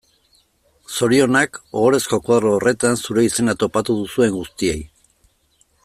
Zorionak ohorezko koadro horretan zure izena topatu duzuen guztiei.